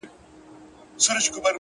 اوس مي تعويذ له ډېره خروښه چاودي،